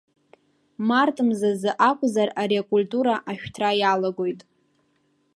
Март мзазы акәзар ари акультура ашәҭра иалагоит.